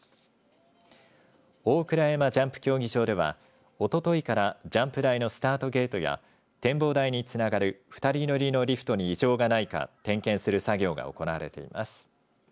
大倉山ジャンプ競技場ではおとといからジャンプ台のスタートゲートや展望台につながる２人乗りのリフトに異常がないか点検する作業が行われています。